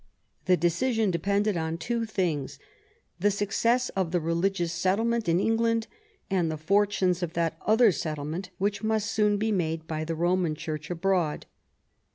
The decision depended on two THE EXCOMMUNICATION OF ELIZABETH. 125 things — the success of the religious settlement in England, and the fortunes of that other settlement which must soon be made by the Roman Church abroad.